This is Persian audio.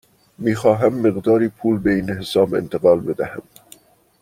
می خواهم مقداری پول به این حساب انتقال بدهم.